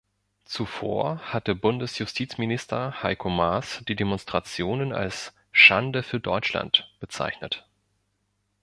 Zuvor hatte Bundesjustizminister Heiko Maas die Demonstrationen als „Schande für Deutschland“ bezeichnet.